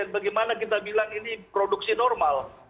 bagaimana kita bilang ini produksi normal